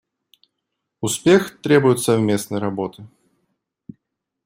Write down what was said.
Успех требует совместной работы.